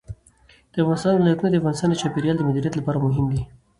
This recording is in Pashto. د افغانستان ولايتونه د افغانستان د چاپیریال د مدیریت لپاره مهم دي.